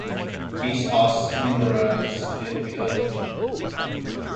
These are summarised below.